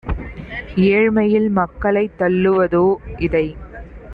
ஏழ்மையில் மக்களைத் தள்ளுவதோ? - இதை